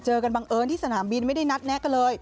กันบังเอิญที่สนามบินไม่ได้นัดแนะกันเลย